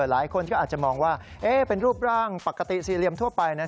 หลายคนก็อาจจะมองว่าเป็นรูปร่างปกติสี่เหลี่ยมทั่วไป